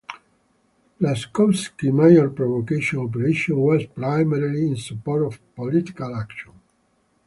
Rachkovsky's major provocation operation was primarily in support of political action.